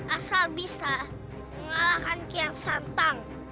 asal bisa mengalahkan kiyasanta